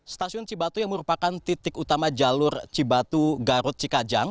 stasiun cibatu yang merupakan titik utama jalur cibatu garut cikajang